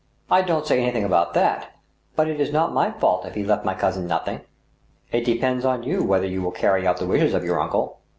" I don't say anything about that ; but it is not my fault if he left my cousin nothing." " It depends on you whether you will carry out the wishes of your uncle."